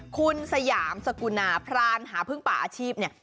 คุณสยามสกุณาพรานหาพึ่งป่าอาชีพเนี่ย